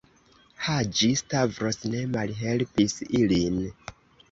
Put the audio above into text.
Haĝi-Stavros ne malhelpis ilin.